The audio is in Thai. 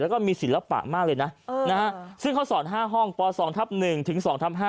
แล้วก็มีศิลปะมากเลยนะซึ่งเขาสอน๕ห้องป๒ทับ๑ถึง๒ทับ๕